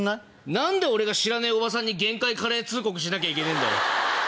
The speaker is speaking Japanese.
何で俺が知らねえおばさんに限界カレー通告しなきゃいけねえんだよ！